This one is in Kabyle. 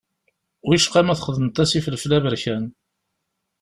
Wicqa ma txedmeḍ-as ifelfel aberkan.